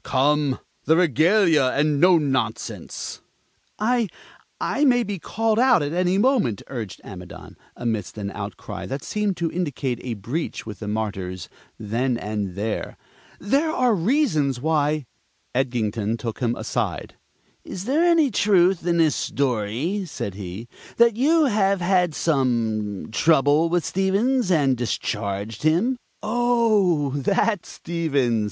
"Come, the regalia, and no nonsense!" "I I may be called out at any moment," urged Amidon, amidst an outcry that seemed to indicate a breach with the Martyrs then and there. "There are reasons why " Edgington took him aside. "Is there any truth in this story," said he, "that you have had some trouble with Stevens, and discharged him?" "Oh, that Stevens!"